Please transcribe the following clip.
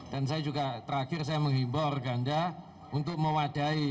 dan saya juga terakhir saya menghibur ganda untuk mewadahi